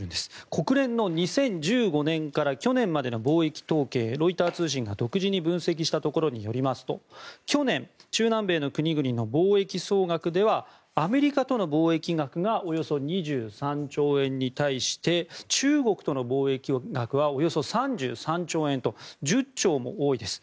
国連の２０１５年から去年までの貿易統計ロイター通信が独自に分析したところによりますと去年、中南米の国々の貿易総額ではアメリカとの貿易額がおよそ２３兆円に対して中国との貿易額がおよそ３３兆円と１０兆も多いです。